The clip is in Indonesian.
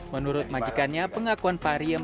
menurut majikannya pengakuan pariem